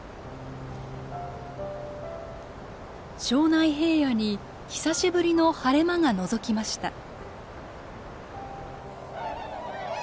庄内平野に久しぶりの晴れ間がのぞきました。